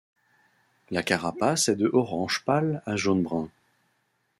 La carapace est de orange pale à jaune-brun.